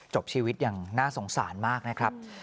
จบชีวิตอย่างน่าสงสารมากนะครับ